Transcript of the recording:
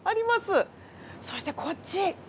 そしてこっち！